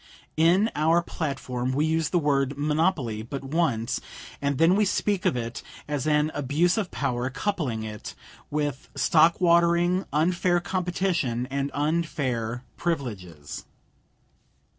In our platform we use the word "monopoly" but once, and then we speak of it as an abuse of power, coupling it with stock watering, unfair competition and unfair privileges.